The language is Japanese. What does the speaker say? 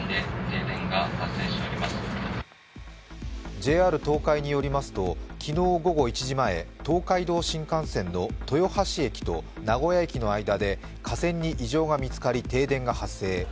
ＪＲ東海によりますと昨日午後１時前、東海道新幹線の豊橋駅と名古屋駅の間で架線に異常が見つかり停電が発生。